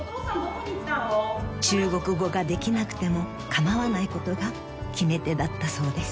［中国語ができなくても構わないことが決め手だったそうです］